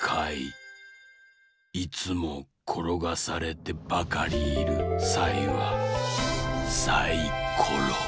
いつもころがされてばかりいるサイはサイコロ。